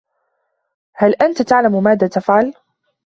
هل أنت تعلم ماذا تفعل ؟